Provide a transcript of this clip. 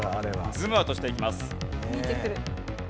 ズームアウトしていきます。